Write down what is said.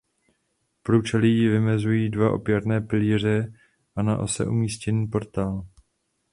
Průčelí vymezují dva opěrné pilíře a na ose umístěný portál.